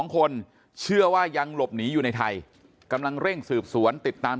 ๒คนเชื่อว่ายังหลบหนีอยู่ในไทยกำลังเร่งสืบสวนติดตาม